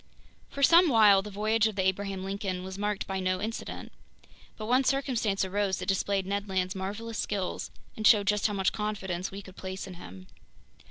FOR SOME WHILE the voyage of the Abraham Lincoln was marked by no incident. But one circumstance arose that displayed Ned Land's marvelous skills and showed just how much confidence we could place in him.